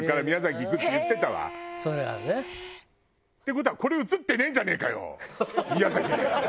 事はこれ映ってねえんじゃねえかよ宮崎で。